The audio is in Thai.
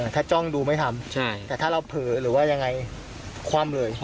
ถ้าจ้องดูไม่ทำแต่ถ้าเราเผลอหรือว่ายังไงคว่ำเลย